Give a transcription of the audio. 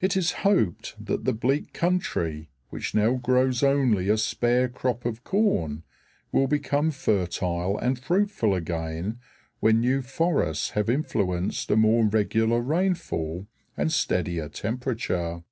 It is hoped that the bleak country, which now grows only a spare crop of corn, will become fertile and fruitful again when new forests have influenced a more regular rainfall and a steadier temperature.